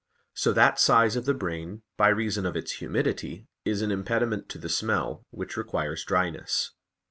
So that size of the brain, by reason of its humidity, is an impediment to the smell, which requires dryness.